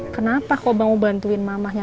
kenapa kau mau bantuin mamahnya